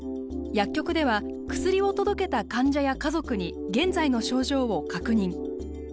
薬局では薬を届けた患者や家族に現在の症状を確認。